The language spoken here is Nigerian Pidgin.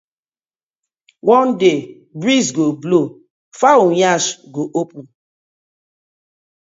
One day breeze go blow, fowl yansh go open: